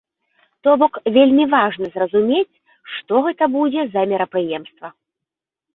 То бок вельмі важна зразумець, што гэта будзе за мерапрыемства.